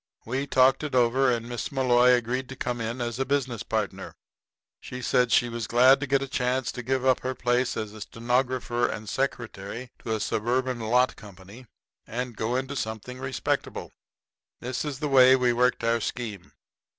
We talked it over, and Miss Malloy agreed to come in as a business partner. She said she was glad to get a chance to give up her place as stenographer and secretary to a suburban lot company, and go into something respectable. This is the way we worked our scheme.